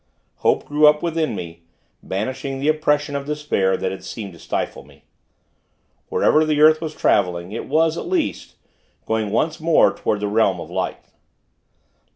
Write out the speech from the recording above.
Hope grew up within me, banishing the oppression of despair, that had seemed to stifle me. Wherever the earth was traveling, it was, at least, going once more toward the realms of light.